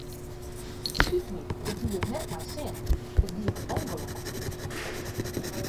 It spyt my, ik die it net mei sin, it gie by ûngelok.